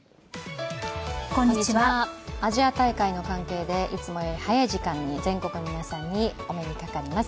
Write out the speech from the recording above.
アジア大会の関係でいつもより早い時間で全国の皆さんにお目にかかります。